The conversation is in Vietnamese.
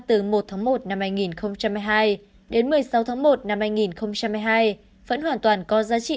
từ một tháng một năm hai nghìn hai mươi hai đến một mươi sáu tháng một năm hai nghìn hai mươi hai vẫn hoàn toàn có giá trị